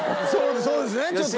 そうですねちょっと。